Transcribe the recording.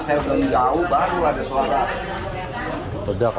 setelah saya belum jauh baru ada suara